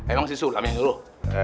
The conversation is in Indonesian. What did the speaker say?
emang si sulam yang nyuruh